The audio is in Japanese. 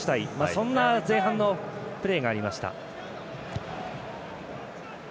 そんな前半のプレーがありました。